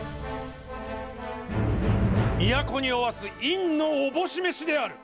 都におわす院のおぼし召しである。